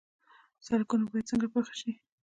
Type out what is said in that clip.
سړکونه باید څنګه پاخه شي؟